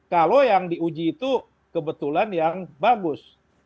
kalau yang diuji itu kebetulan yang bagus